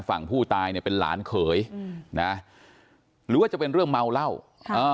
ฝั่งผู้ตายเนี่ยเป็นหลานเขยอืมนะหรือว่าจะเป็นเรื่องเมาเหล้าอ่า